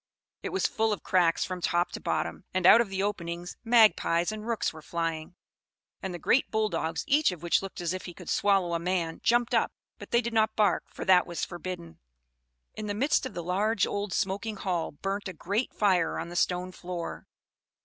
It was full of cracks from top to bottom; and out of the openings magpies and rooks were flying; and the great bull dogs, each of which looked as if he could swallow a man, jumped up, but they did not bark, for that was forbidden. In the midst of the large, old, smoking hall burnt a great fire on the stone floor.